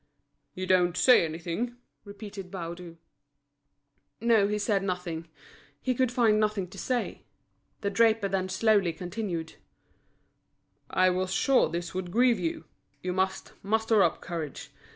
"You don't say anything?" repeated Baudu. No, he said nothing, he could find nothing to say. The draper then slowly continued: "I was sure this would grieve you. You must muster up courage.